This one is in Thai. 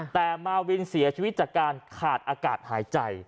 แต่มาวินเสียชีวิตจากการขาดอากาศหายใจ